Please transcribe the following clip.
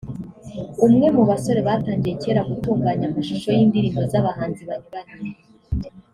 umwe mu basore batangiye cyera gutunganya amashusho y’indirimbo z’abahanzi banyuranye